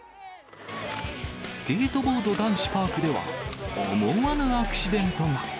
スケートボード男子パークでは、思わぬアクシデントが。